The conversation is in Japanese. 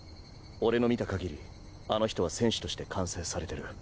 俺の見た限りあの人は選手として完成されてる。